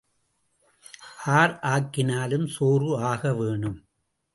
R ஆக்கினாலும் சோறு ஆகவேணும்.